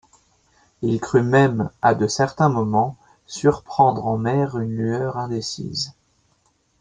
Il crut même, à de certains moments, surprendre en mer une lueur indécise.